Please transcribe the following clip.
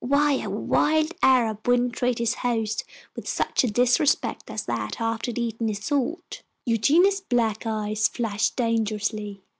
"Why, a wild Arab wouldn't treat his host with such disrespect as that after he'd eaten his salt." Eugenia's black eyes flashed dangerously.